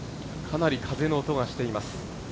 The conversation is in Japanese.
かなり風の音がしています。